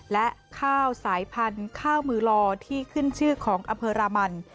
และข้าวสายพันธุ์ข้าวมือลอที่ขึ้นชื่อของอำเภอรามัน